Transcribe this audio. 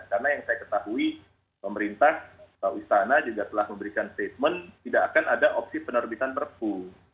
karena yang saya ketahui pemerintah atau istana juga telah memberikan statement tidak akan ada opsi penerbitan perpu